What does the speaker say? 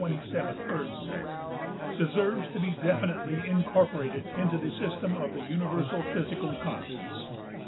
(40), deserves to be definitely incorporated into the system of the universal physical constants.